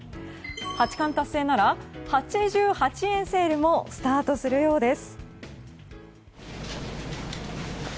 八冠達成なら８８円セールもスタートするようです。